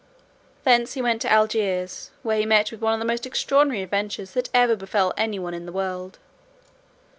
Thence he went to Algiers, where he met with one of the most extraordinary adventures that ever befell anyone in the world."